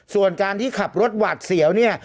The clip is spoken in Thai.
ส่วนการที่ขับรถหวาดเสียวเนี่ย